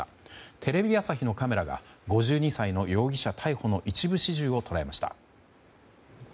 テレビ朝日のカメラが５２歳の容疑者逮捕の一部始終を捉えました。